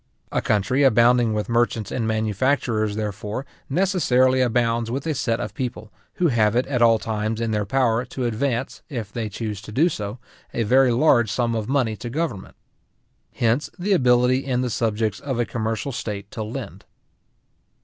A country abounding with merchants and manufacturers, therefore, necessarily abounds with a set of people, who have it at all times in their power to advance, if they chuse to do so, a very large sum of money to government. Hence the ability in the subjects of a commercial state to lend.